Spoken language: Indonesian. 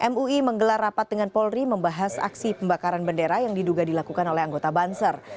mui menggelar rapat dengan polri membahas aksi pembakaran bendera yang diduga dilakukan oleh anggota banser